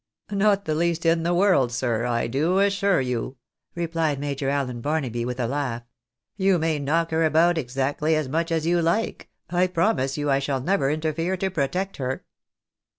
" IsTot the least in the world, sir, I do assure you," replied Major Allen Barnaby, with a laugh. " You may knock her about exactly as much as you like, I promise you I shall never interfere to pro tect her."